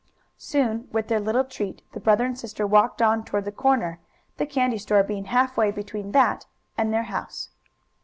Soon, with their little treat, the brother and sister walked on toward the corner, the candy store being half way between that and their house.